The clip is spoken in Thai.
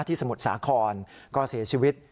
ที่สมุทรศาครกรเหลือเสียชีวิต